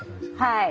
はい。